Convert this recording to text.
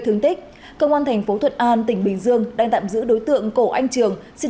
thương tích công an thành phố thuận an tỉnh bình dương đang tạm giữ đối tượng cổ anh trường sinh